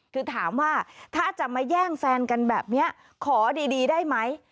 คือถามว่าถ้าจะมาแย่งแฟนกันแบบนี้ขอดีได้ไหม